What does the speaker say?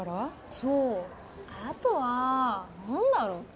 そうあとは何だろう